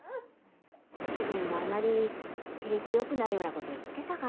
ご主人もあまり景気よくないようなこと言ってたから。